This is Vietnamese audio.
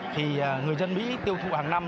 thì người dân mỹ tiêu thụ hàng năm